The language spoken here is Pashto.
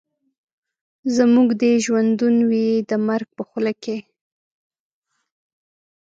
زموږ دي ژوندون وي د مرګ په خوله کي